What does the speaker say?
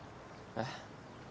えっ？